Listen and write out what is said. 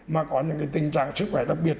mà có những tình trạng sức khỏe đặc biệt